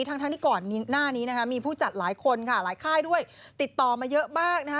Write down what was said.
ทั้งที่ก่อนหน้านี้นะคะมีผู้จัดหลายคนค่ะหลายค่ายด้วยติดต่อมาเยอะมากนะคะ